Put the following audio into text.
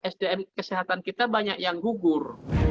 sdm kesehatan kita banyak yang gugur